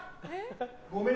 ごめん